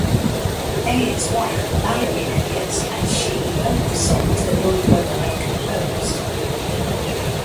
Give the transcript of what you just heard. Eliot's wife, Valerie Eliot and she loved the songs that Lloyd Webber had composed.